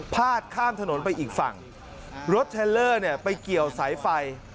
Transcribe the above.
ดข้ามถนนไปอีกฝั่งรถเทลเลอร์เนี่ยไปเกี่ยวสายไฟ